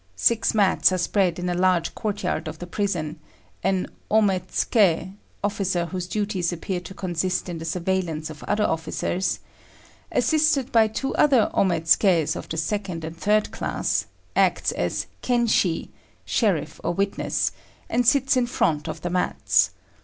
Six mats are spread in a large courtyard of the prison; an ometsuké (officer whose duties appear to consist in the surveillance of other officers), assisted by two other ometsukés of the second and third class, acts as kenshi (sheriff or witness), and sits in front of the mats.